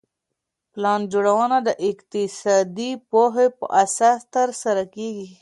پلان جوړونه د اقتصادي پوهي په اساس ترسره کيږي.